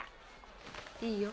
いいよ。